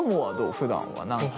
ふだんは何か。